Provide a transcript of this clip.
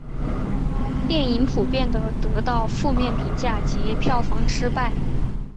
电影普遍地得到负面评价及票房失败。